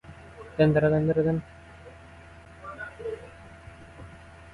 Burgess's work helped generate the bid rent curve.